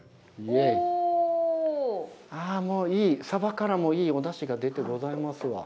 ああ、もう、いい、さばからもいいおだしが出てございますわ。